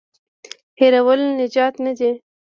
هېرول نجات نه دی.